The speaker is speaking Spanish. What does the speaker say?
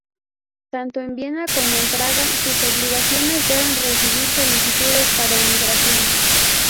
Tanto en Viena como en Praga sus obligaciones eran recibir solicitudes para emigración.